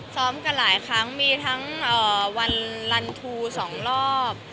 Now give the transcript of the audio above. ซ้อมกันหลายครั้งมีทั้งวันลันทู๒รอบ